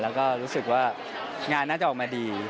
แล้วก็รู้สึกว่างานน่าจะออกมาดี